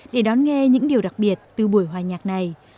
để đón nghe những điều đặc biệt từ buổi hòa nhạc này